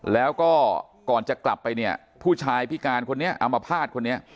แล้วก็ก่อนจะกลับไปเนี่ยผู้ชายพิการคนนี้อามภาษณ์คนนี้